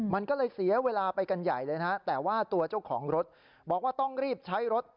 มันก็เลยเสียเวลาไปกันใหญ่เลยนะฮะแต่ว่าตัวเจ้าของรถบอกว่าต้องรีบใช้รถ